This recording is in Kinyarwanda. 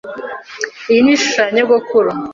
Iyi ni ishusho ya nyogokuru.